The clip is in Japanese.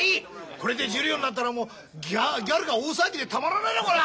これで十両になったらもうギャルが大騒ぎでたまらないなこら！